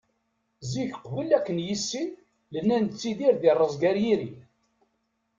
Zik, qbel ad ken-yissin, nella nettidir, di rrezg ar yiri.